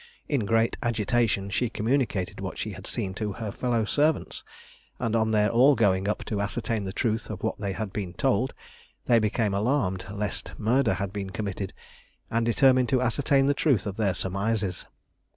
In great agitation she communicated what she had seen to her fellow servants, and on their all going up to ascertain the truth of what they had been told, they became alarmed lest murder had been committed, and determined to ascertain the truth of their surmises.